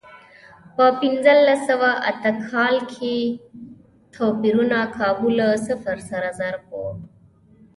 په پنځلس سوه اته اتیا کال کې توپیرونه کابو له صفر سره ضرب و.